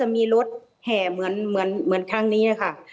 และมีรถแห่เหมือนครั้งนี้นะคะ